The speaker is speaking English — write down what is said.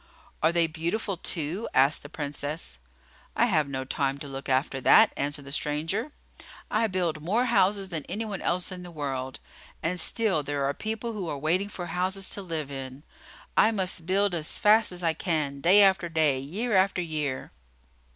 "Are they beautiful, too?" asked the Princess. "I have no time to look after that," answered the stranger. "I build more houses than any one else in the world; and still, there are people who are waiting for houses to live in. I must build as fast as I can, day after day, year after year."